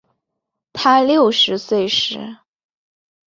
她六十岁时